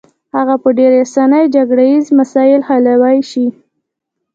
هغه په ډېره اسانۍ جګړه ییز مسایل حلولای شي.